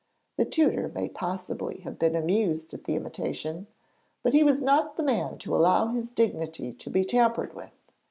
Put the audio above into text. The tutor may possibly have been amused at the imitation, but he was not the man to allow his dignity to be tampered with.